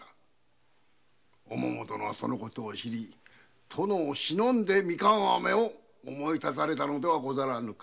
お桃殿はその事を知り殿をしのんで「ミカンアメ」を思いたたれたのではござらぬか？